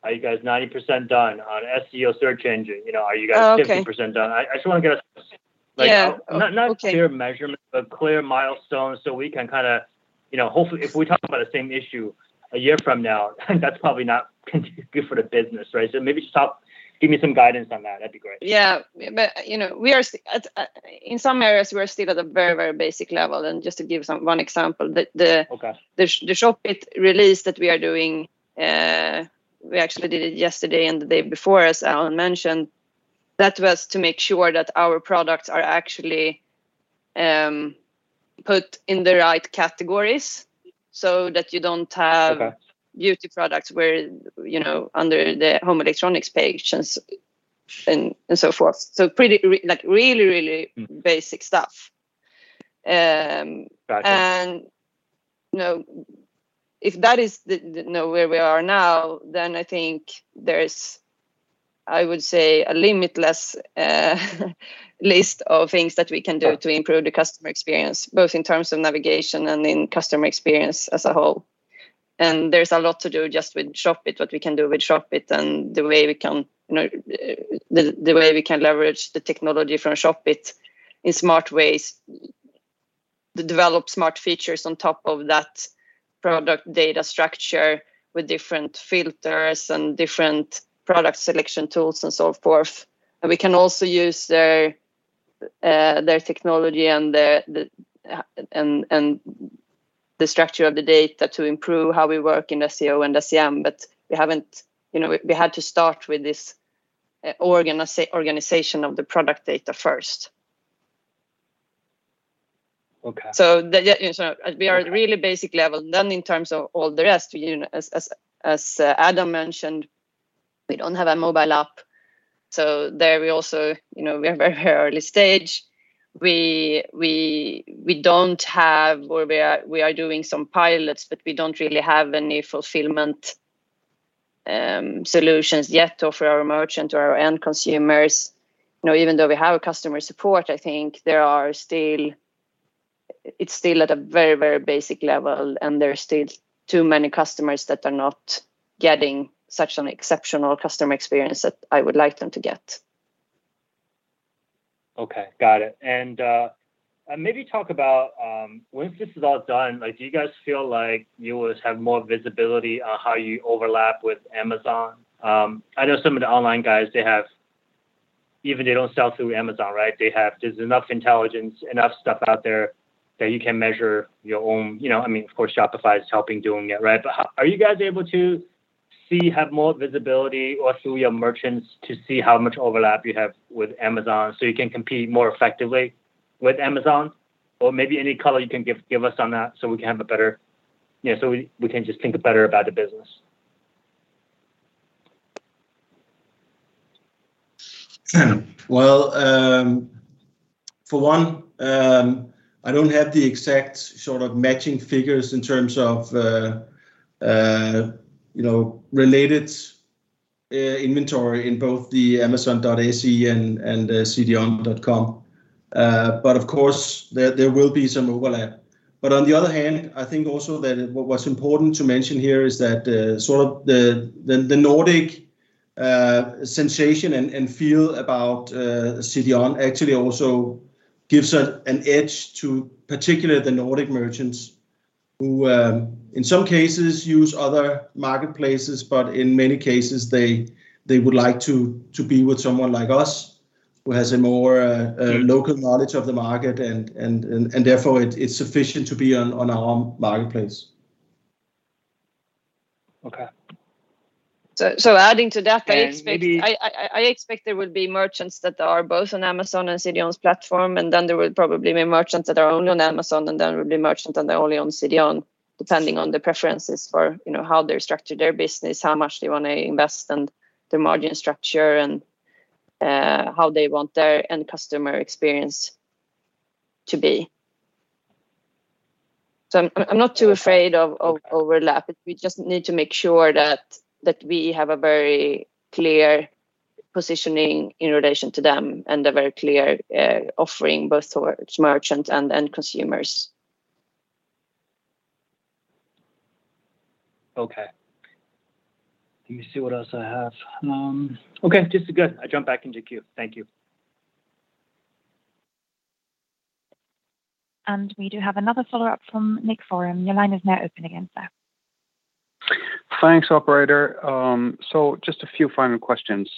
are you guys 90% done on SEO search engine? Oh, okay. Are you guys 50% done? I just want to get. Yeah. Okay. Not clear measurement, but clear milestones so we can hopefully, if we talk about the same issue a year from now, that's probably not good for the business, right? Maybe just give me some guidance on that. That'd be great. Yeah. In some areas, we're still at a very basic level. Just to give one example. Okay the Shopit release that we are doing, we actually did it yesterday and the day before, as Allan mentioned. That was to make sure that our products are actually put in the right categories so that you don't have. Okay Beauty products under the home electronics page, and so forth. Really basic stuff. Got you. If that is where we are now, then I think there's, I would say, a limitless list of things that we can do to improve the customer experience, both in terms of navigation and in customer experience as a whole. There's a lot to do just with ShopIt, what we can do with ShopIt, and the way we can leverage the technology from ShopIt in smart ways. To develop smart features on top of that product data structure with different filters and different product selection tools and so forth. We can also use their technology and the structure of the data to improve how we work in SEO and SEM. We had to start with this organization of the product data first. Okay. We are at a really basic level. In terms of all the rest, as Adam mentioned, we don't have a mobile app, there we are very early stage. We are doing some pilots, we don't really have any fulfillment solutions yet to offer our merchants or our end consumers. Even though we have a customer support, I think it's still at a very basic level, there are still too many customers that are not getting such an exceptional customer experience that I would like them to get. Okay, got it. Maybe talk about once this is all done, do you guys feel like you will have more visibility on how you overlap with Amazon? I know some of the online guys, even they don't sell through Amazon, right? There's enough intelligence, enough stuff out there that you can measure your own. Of course Shopify is helping doing it, right? Are you guys able to have more visibility or through your merchants to see how much overlap you have with Amazon so you can compete more effectively with Amazon? Maybe any color you can give us on that so we can just think better about the business. Well, for one, I don't have the exact matching figures in terms of related inventory in both the amazon.se and cdon.com. Of course, there will be some overlap. On the other hand, I think also that what's important to mention here is that the Nordic sensation and feel about CDON actually also gives an edge to particular the Nordic merchants who, in some cases, use other marketplaces, but in many cases, they would like to be with someone like us who has a more local knowledge of the market, and therefore it's sufficient to be on our own marketplace. Okay. Adding to that. And maybe- I expect there will be merchants that are both on Amazon and CDON's platform, and then there will probably be merchants that are only on Amazon, and then there will be merchants that are only on CDON, depending on their preferences for how they structure their business, how much they want to invest, and their margin structure, and how they want their end customer experience to be. I'm not too afraid of overlap. We just need to make sure that we have a very clear positioning in relation to them and a very clear offering both towards merchants and end consumers. Okay. Let me see what else I have. Okay, this is good. I jump back into queue. Thank you. We do have another follow-up from Nick Fhärm. Your line is now open again, sir. Thanks, operator. Just a few final questions.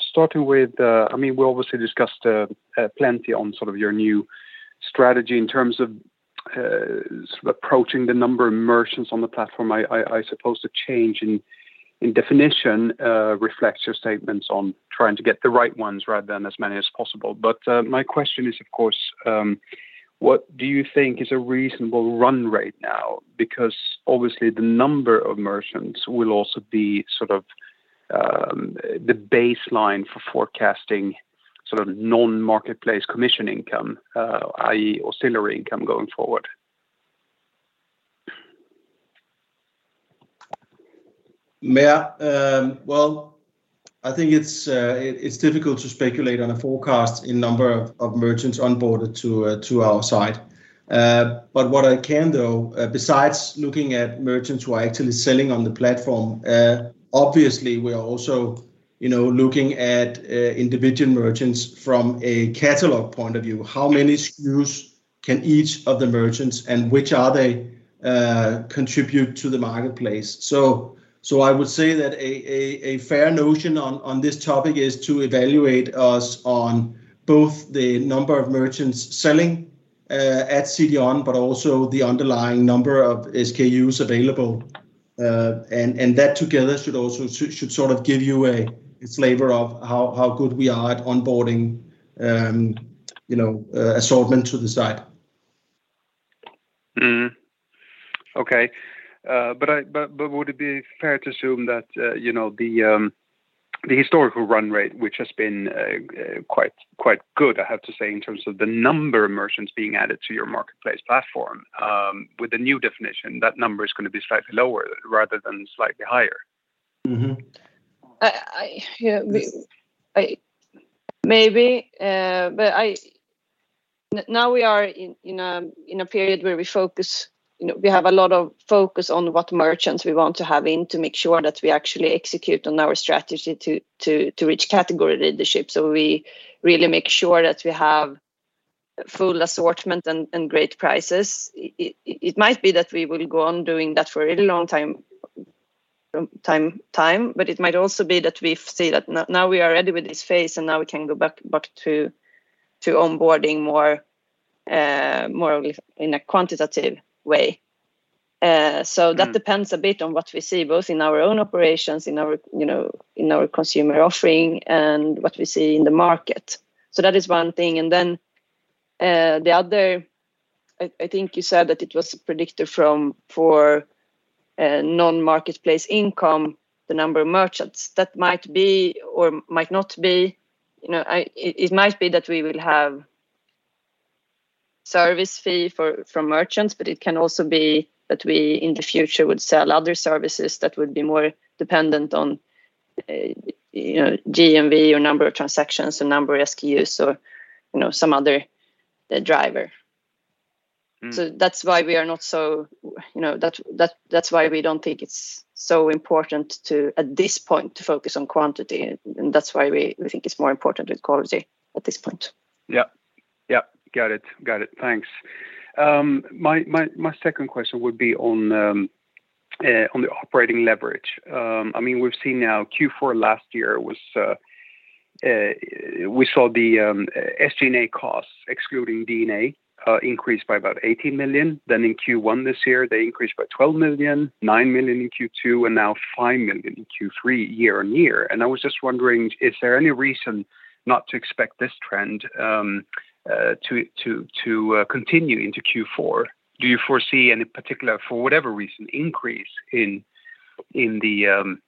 Starting with, we obviously discussed plenty on your new strategy in terms of approaching the number of merchants on the platform. I suppose the change in definition reflects your statements on trying to get the right ones rather than as many as possible. My question is, of course, what do you think is a reasonable run rate now? Obviously the number of merchants will also be the baseline for forecasting non-marketplace commission income, i.e. ancillary income going forward? Well, I think it's difficult to speculate on a forecast in number of merchants onboarded to our site. What I can do, besides looking at merchants who are actually selling on the platform, obviously we are also looking at individual merchants from a catalog point of view. How many SKUs can each of the merchants, and which are they, contribute to the marketplace? I would say that a fair notion on this topic is to evaluate us on both the number of merchants selling at CDON, but also the underlying number of SKUs available. That together should give you a flavor of how good we are at onboarding assortment to the site. Would it be fair to assume that the historical run rate, which has been quite good, I have to say, in terms of the number of merchants being added to your marketplace platform, with the new definition, that number is going to be slightly lower rather than slightly higher? Maybe. Now we are in a period where we have a lot of focus on what merchants we want to have in to make sure that we actually execute on our strategy to reach category leadership. We really make sure that we have full assortment and great prices. It might be that we will go on doing that for a really long time, but it might also be that we see that now we are ready with this phase, and now we can go back to onboarding more in a quantitative way. That depends a bit on what we see, both in our own operations, in our consumer offering, and what we see in the market. That is one thing, and then the other, I think you said that it was predicted for non-marketplace income, the number of merchants. That might be or might not be. It might be that we will have service fee from merchants, but it can also be that we, in the future, would sell other services that would be more dependent on GMV or number of transactions or number of SKUs or some other driver. That's why we don't think it's so important at this point to focus on quantity. That's why we think it's more important with quality at this point. Yep. Got it. Thanks. My second question would be on the operating leverage. We've seen now Q4 last year, we saw the SG&A costs, excluding D&A, increase by about 18 million. In Q1 this year, they increased by 12 million, 9 million in Q2, and now 5 million in Q3 year-on-year. I was just wondering, is there any reason not to expect this trend to continue into Q4? Do you foresee any particular, for whatever reason, increase in the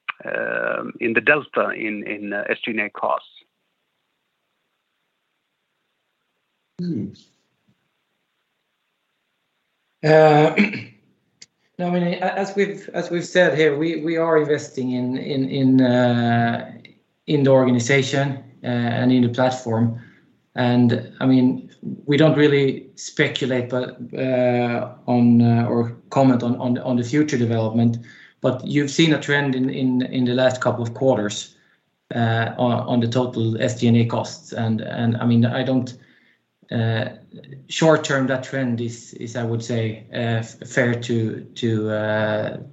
delta in SG&A costs? As we've said here, we are investing in the organization and in the platform, and we don't really speculate or comment on the future development. You've seen a trend in the last couple of quarters on the total SG&A costs, short term, that trend is, I would say, fair to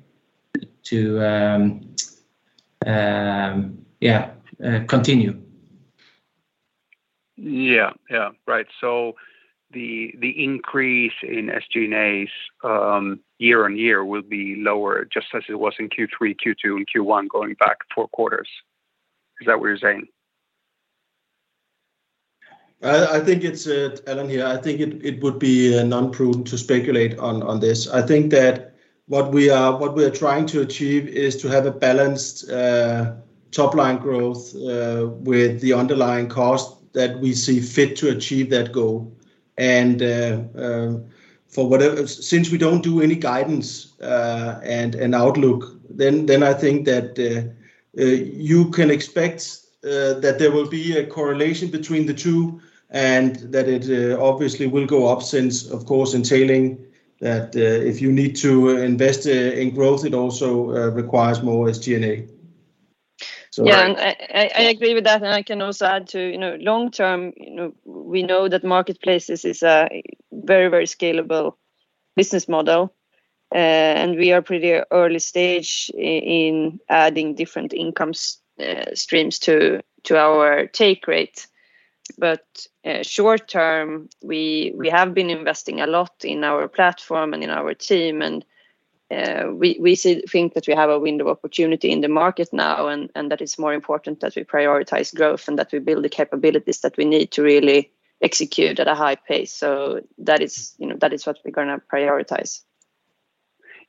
continue. Yeah. Right. The increase in SG&As year-on-year will be lower, just as it was in Q3, Q2, and Q1, going back four quarters. Is that what you're saying? Allan here. I think it would be non-prudent to speculate on this. I think that what we're trying to achieve is to have a balanced top-line growth with the underlying cost that we see fit to achieve that goal. Since we don't do any guidance and outlook, then I think that you can expect that there will be a correlation between the two, and that it obviously will go up since, of course, entailing that if you need to invest in growth, it also requires more SG&A. Yeah, I agree with that, and I can also add too, long term, we know that marketplaces is a very scalable business model, and we are pretty early stage in adding different income streams to our take rate. Short term, we have been investing a lot in our platform and in our team, and we think that we have a window of opportunity in the market now, and that it's more important that we prioritize growth and that we build the capabilities that we need to really execute at a high pace. That is what we're going to prioritize.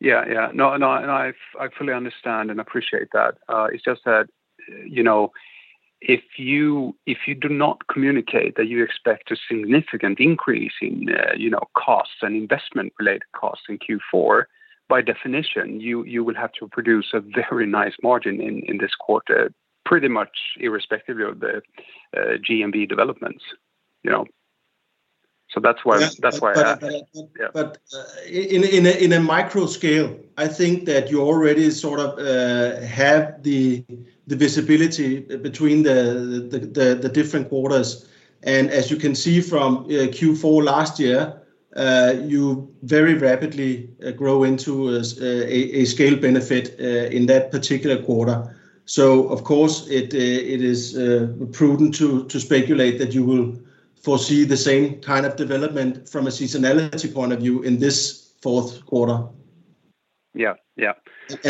Yeah. No. I fully understand and appreciate that. It's just that, if you do not communicate that you expect a significant increase in costs and investment-related costs in Q4, by definition, you will have to produce a very nice margin in this quarter, pretty much irrespective of the GMV developments. In a micro scale, I think that you already sort of have the visibility between the different quarters. As you can see from Q4 last year, you very rapidly grow into a scale benefit in that particular quarter. Of course, it is prudent to speculate that you will foresee the same kind of development from a seasonality point of view in this fourth quarter. Yeah. Thanks,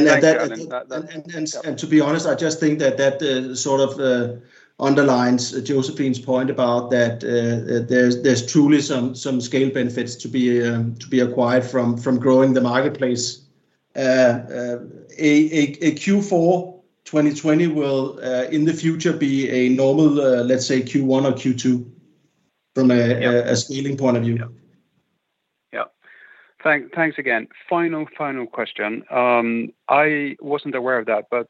Junge. To be honest, I just think that sort of underlines Josephine's point about that there's truly some scale benefits to be acquired from growing the marketplace. A Q4 2020 will, in the future, be a normal, let's say Q1 or Q2 from a scaling point of view. Yeah. Thanks again. Final question. I wasn't aware of that, but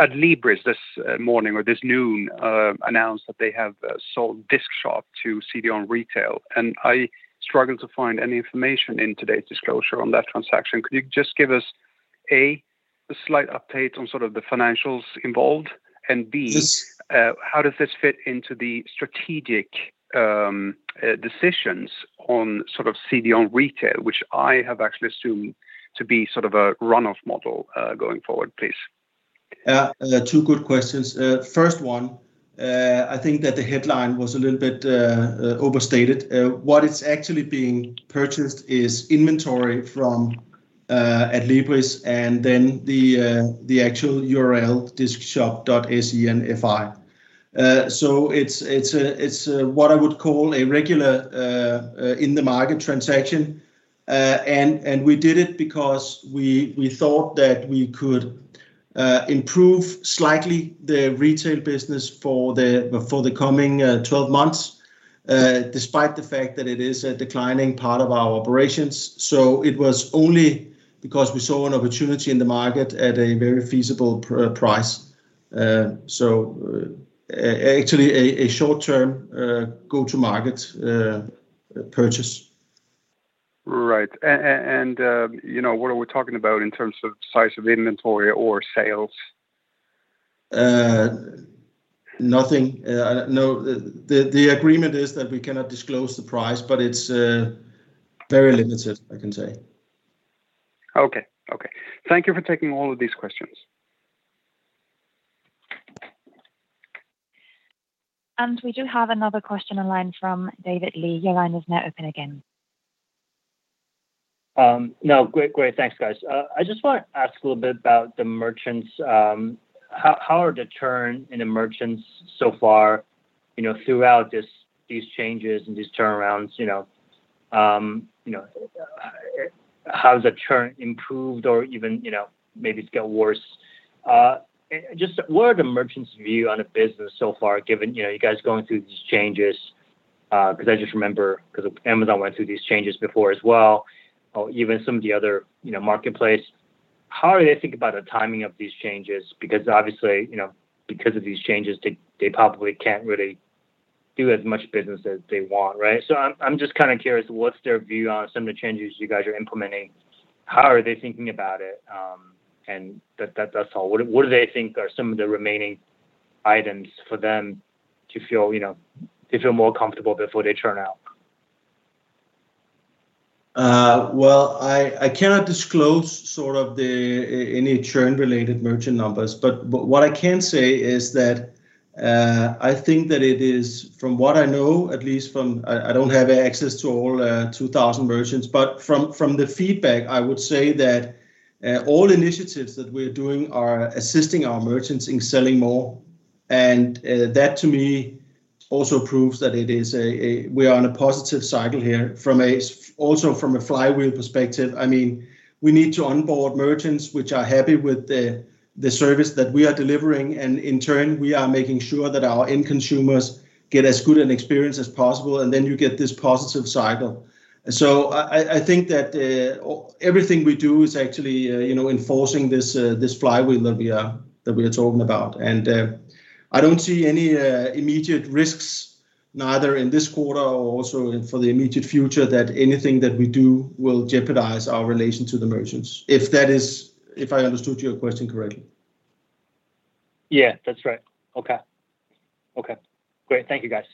Adlibris this morning or this noon, announced that they have sold Discshop to CDON Retail, and I struggled to find any information in today's disclosure on that transaction. Could you just give us, A, a slight update on sort of the financials involved, and B. Yes How does this fit into the strategic decisions on CDON Retail, which I have actually assumed to be sort of a runoff model, going forward, please? Yeah. Two good questions. First one, I think that the headline was a little bit overstated. What is actually being purchased is inventory from Adlibris and then the actual URL discshop.se and .fi. It's what I would call a regular in-the-market transaction, and we did it because we thought that we could improve slightly the retail business for the coming 12 months, despite the fact that it is a declining part of our operations. It was only because we saw an opportunity in the market at a very feasible price. Actually a short-term go-to-market purchase. Right. What are we talking about in terms of size of inventory or sales? Nothing. The agreement is that we cannot disclose the price, but it's very limited, I can say. Okay. Thank you for taking all of these questions. We do have another question online from David Li. Your line is now open again. No, great. Thanks, guys. I just want to ask a little bit about the merchants. How are the churn in the merchants so far throughout these changes and these turnarounds? How has the churn improved or even maybe it's got worse? Just what are the merchants' view on the business so far given you guys are going through these changes? I just remember because Amazon went through these changes before as well, or even some of the other marketplace. How are they thinking about the timing of these changes? Obviously, because of these changes, they probably can't really do as much business as they want, right? I'm just kind of curious, what's their view on some of the changes you guys are implementing? How are they thinking about it? That's all. What do they think are some of the remaining items for them to feel more comfortable before they churn out? Well, I cannot disclose any churn-related merchant numbers. What I can say is that, I think that it is, from what I know, at least from, I don't have access to all 2,000 merchants. From the feedback, I would say that all initiatives that we are doing are assisting our merchants in selling more. That to me also proves that we are on a positive cycle here. Also from a flywheel perspective, we need to onboard merchants which are happy with the service that we are delivering. In turn, we are making sure that our end consumers get as good an experience as possible. You get this positive cycle. I think that everything we do is actually enforcing this flywheel that we are talking about. I don't see any immediate risks, neither in this quarter or also for the immediate future, that anything that we do will jeopardize our relation to the merchants. If I understood your question correctly. Yeah, that's right. Okay. Great. Thank you, guys.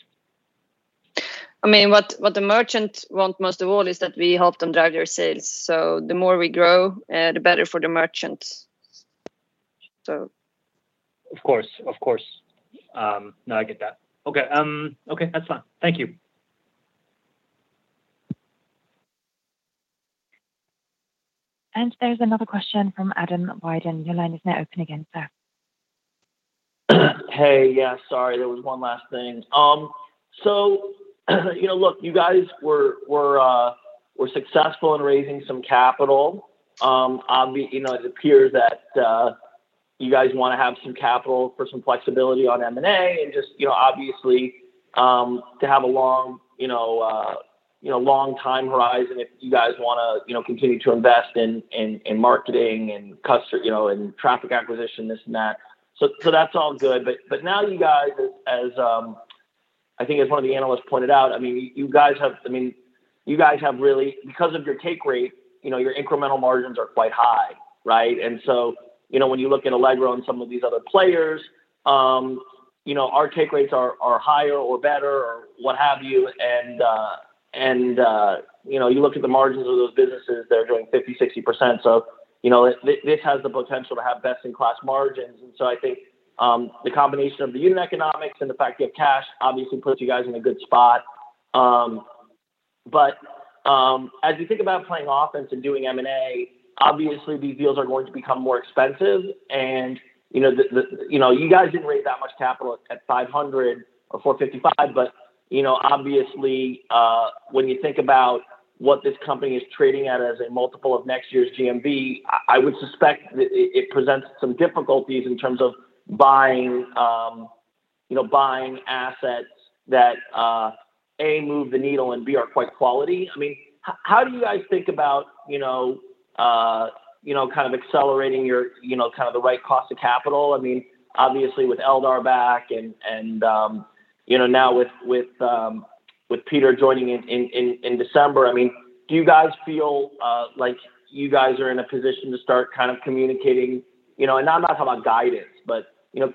What the merchants want most of all is that we help them drive their sales. The more we grow, the better for the merchants. Of course. No, I get that. Okay. That's fine. Thank you. There's another question from Adam Wyden. Hey, yeah, sorry. There was one last thing. Look, you guys were successful in raising some capital. It appears that you guys want to have some capital for some flexibility on M&A and just obviously to have a long time horizon if you guys want to continue to invest in marketing and traffic acquisition, this and that. That's all good. Now you guys, I think as one of the analysts pointed out, because of your take rate, your incremental margins are quite high. Right? When you look at Allegro and some of these other players, our take rates are higher or better or what have you, and you look at the margins of those businesses, they're doing 50%, 60%. This has the potential to have best-in-class margins. I think the combination of the unit economics and the fact you have cash obviously puts you guys in a good spot. As you think about playing offense and doing M&A, obviously these deals are going to become more expensive and you guys didn't raise that much capital at 500 or 455, but obviously, when you think about what this company is trading at as a multiple of next year's GMV, I would suspect that it presents some difficulties in terms of buying assets that, A, move the needle and B, are quite quality. How do you guys think about accelerating the right cost of capital? Obviously with Eldar back and now with Peter joining in December, do you guys feel like you guys are in a position to start communicating? I'm not talking about guidance, but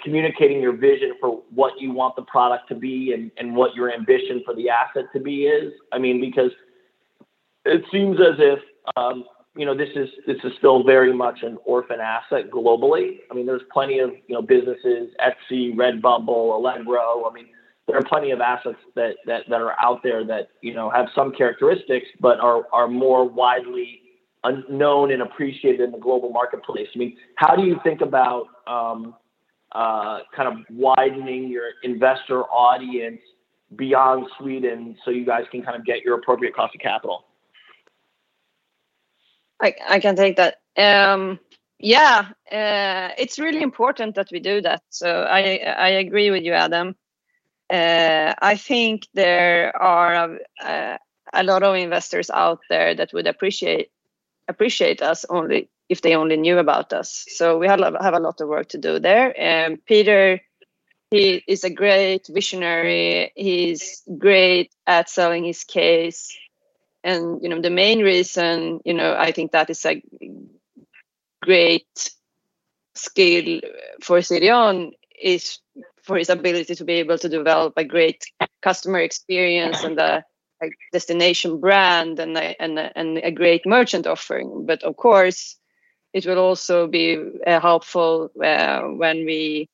communicating your vision for what you want the product to be and what your ambition for the asset to be is. It seems as if this is still very much an orphan asset globally. There's plenty of businesses, Etsy, Redbubble, Allegro. There are plenty of assets that are out there that have some characteristics but are more widely unknown and appreciated in the global marketplace. How do you think about widening your investor audience beyond Sweden so you guys can get your appropriate cost of capital? I can take that. Yeah, it's really important that we do that. I agree with you, Adam. I think there are a lot of investors out there that would appreciate us if they only knew about us. We have a lot of work to do there. Peter, he is a great visionary. He's great at selling his case. The main reason I think that is a great skill for CDON is for his ability to be able to develop a great customer experience and a destination brand and a great merchant offering. Of course, it will also be helpful when we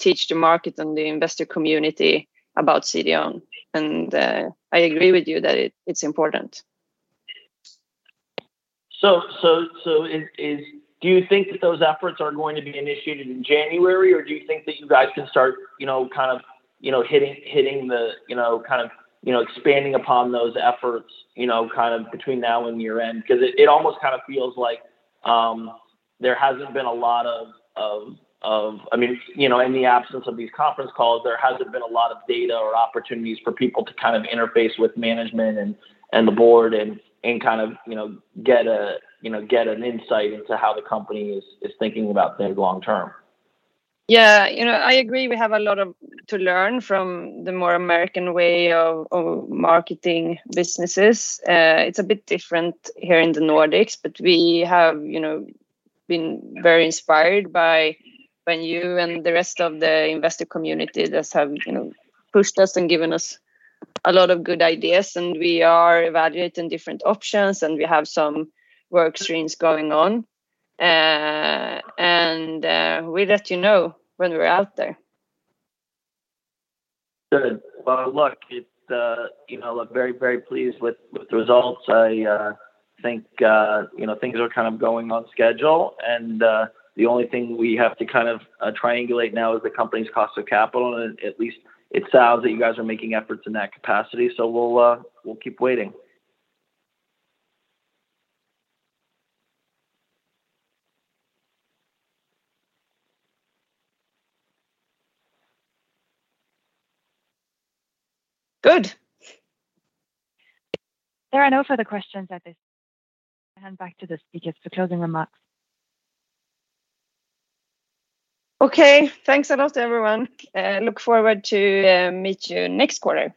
teach the market and the investor community about CDON. I agree with you that it's important. Do you think that those efforts are going to be initiated in January, or do you think that you guys can start expanding upon those efforts between now and year-end? Because it almost feels like in the absence of these conference calls, there hasn't been a lot of data or opportunities for people to interface with management and the board and get an insight into how the company is thinking about things long term. Yeah. I agree, we have a lot to learn from the more American way of marketing businesses. It's a bit different here in the Nordics, but we have been very inspired by you and the rest of the investor community that have pushed us and given us a lot of good ideas, and we are evaluating different options, and we have some work streams going on. We'll let you know when we're out there. Good. Well, look, I'm very, very pleased with the results. I think things are going on schedule, the only thing we have to triangulate now is the company's cost of capital, at least it sounds that you guys are making efforts in that capacity. We'll keep waiting. Good. There are no further questions at this time. I hand back to the speakers for closing remarks. Okay. Thanks a lot everyone. Look forward to meet you next quarter.